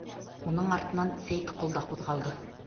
Уның артынан Сәйетҡол да ҡуҙғалды: